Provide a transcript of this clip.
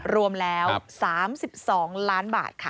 รวมแล้ว๓๒ล้านบาทค่ะ